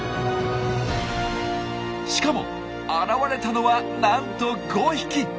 しかも現れたのはなんと５匹！